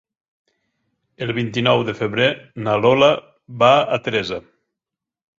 El vint-i-nou de febrer na Lola va a Teresa.